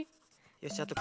よしあと